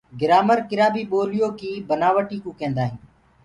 گرآمر ڪِرآ بي بوليو ڪيِ بنآوٽي ڪوُ ڪيندآ هينٚ۔